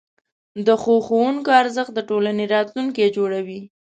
د ښو ښوونکو ارزښت د ټولنې راتلونکی جوړوي.